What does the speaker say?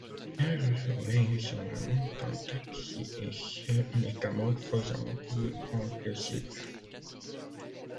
Elle rejoint son amant en taxi et se métamorphose en poule entre ses bras.